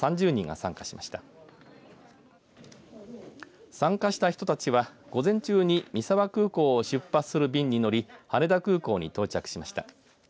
参加した人たちは午前中に三沢空港を出発する便に乗り羽田空港に到着しました。